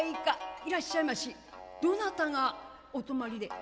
「いらっしゃいましどなたがお泊まりで」。